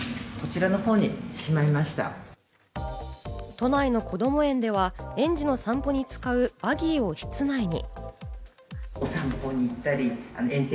都内のこども園では、園児の散歩に使うバギーを室内に。